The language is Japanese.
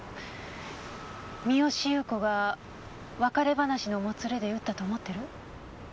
三好裕子が別れ話のもつれで撃ったと思ってる？